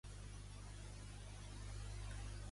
Busca l'obra de l'estàtua de James Outram.